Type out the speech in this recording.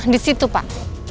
di situ pak